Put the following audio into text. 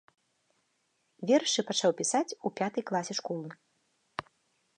Вершы пачаў пісаць у пятай класе школы.